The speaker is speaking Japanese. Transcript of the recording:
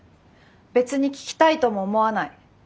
別に聞きたいとも思わない。